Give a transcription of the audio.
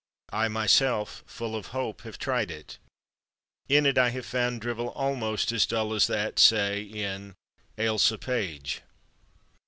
I myself, full of hope, have tried it. In it I have found drivel almost as dull as that, say, in "Ailsa Page."